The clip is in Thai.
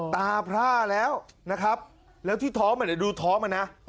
พร่าแล้วนะครับแล้วที่ท้องไม่ได้ดูท้องมันนะ